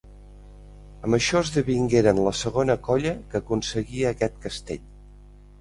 Amb això, esdevingueren la segona colla que aconseguia aquest castell.